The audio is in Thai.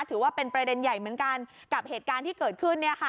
ถือว่าเป็นประเด็นใหญ่เหมือนกันกับเหตุการณ์ที่เกิดขึ้น